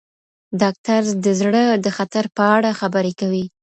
ډاکټر د زړه د خطر په اړه خبرې کوي.